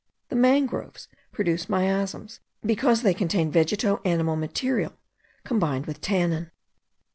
* The mangroves produce miasms, because they contain vegeto animal matter combined with tannin.